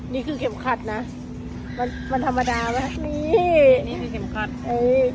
นี่คือเข็มขัดนะมันมันธรรมดาไหมนี่นี่คือเข็มขัดเอ้ย